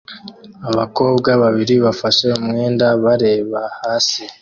Abakobwa babiri bafashe umwenda bareba hasi